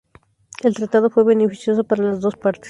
El tratado fue beneficioso para las dos partes.